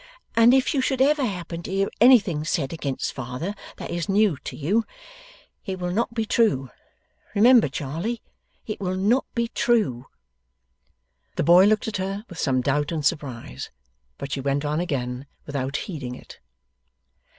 And if you should ever happen to hear anything said against father that is new to you, it will not be true. Remember, Charley! It will not be true.' The boy looked at her with some doubt and surprise, but she went on again without heeding it.